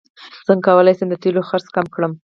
څنګه کولی شم د تیلو خرڅ کم کړم